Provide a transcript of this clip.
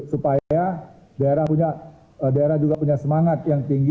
supaya daerah juga punya semangat yang tinggi